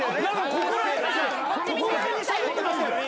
ここら辺にしゃべってましたよね